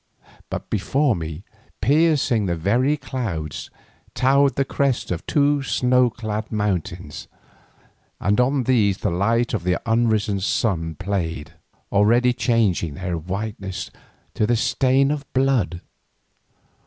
But before me, piercing the very clouds, towered the crests of two snow clad mountains, and on these the light of the unrisen sun played, already changing their whiteness to the stain of blood.